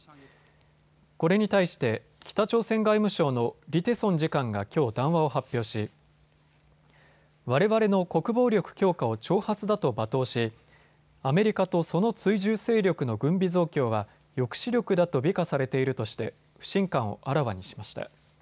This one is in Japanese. これに対して北朝鮮外務省のリ・テソン次官がきょう談話を発表し、われわれの国防力強化を挑発だと罵倒しアメリカとその追従勢力の軍備増強は抑止力だと美化されているとして不信感をあらわにしました。